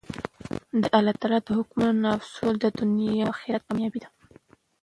د الله تعالی د حکمونو نافذول د دؤنيا او آخرت کاميابي ده.